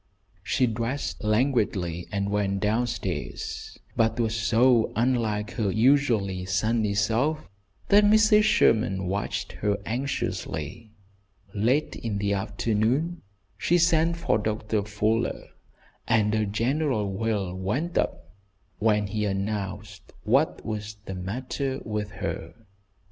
She dressed languidly and went down stairs, but was so unlike her usually sunny self, that Mrs. Sherman watched her anxiously. Late in the afternoon she sent for Doctor Fuller, and a general wail went up when he announced what was the matter with her.